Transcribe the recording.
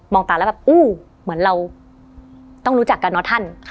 ตาแล้วแบบอู้เหมือนเราต้องรู้จักกันเนอะท่าน